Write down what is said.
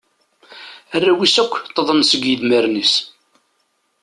Arraw-is akk ṭṭḍen seg idmaren-is.